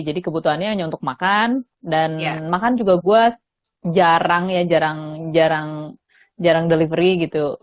jadi kebutuhannya hanya untuk makan dan makan juga gue jarang ya jarang jarang delivery gitu